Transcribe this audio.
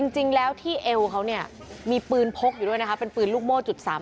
จริงแล้วที่เอวเขาเนี่ยมีปืนพกอยู่ด้วยนะคะเป็นปืนลูกโม่จุด๓๓